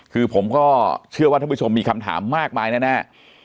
คือผมก็เชื่อว่าท่านผู้ชมมีคำถามมากมายแน่